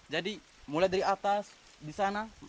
jadi mulai dari atas disana